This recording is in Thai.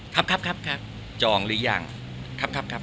ครับครับครับครับ